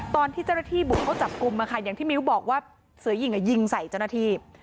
ตอนที่เจ้าหน้าที่บุกเข้าจับกลุ่มอย่างที่มิ้วบอกว่าเสือยิงยิงใส่เจ้าหน้าที่